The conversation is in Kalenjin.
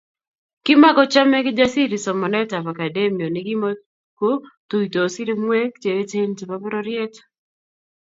Kimakochomei Kijasiri somanetab akademia nekimukotuitos irimwek che eechen chebo pororiet